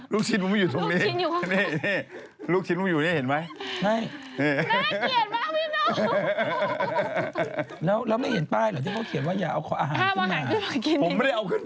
ลูกชิ้นมึงไม่อยู่ตรงนี้ลูกชิ้นมึงอยู่นี่เห็นไหม